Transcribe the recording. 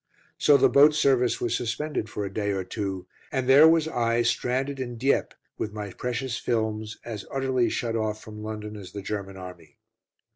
So the boat service was suspended for a day or two, and there was I stranded in Dieppe with my precious films, as utterly shut off from London as the German army.